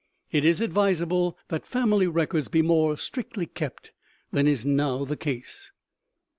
It is advisable that family records be more strictly kept than is now the case.